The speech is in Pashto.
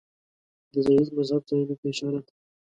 د زردشت مذهب ستایلو ته اشاره ده.